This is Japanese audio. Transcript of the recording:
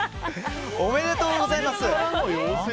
おめでとうございます！